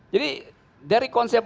jadi dari konsep